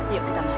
yuk kita masuk